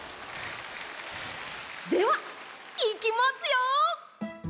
ではいきますよ。